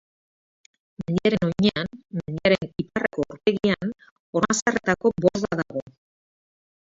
Mendiaren oinean, mendiaren iparraldeko aurpegian, Ormazarretako borda dago.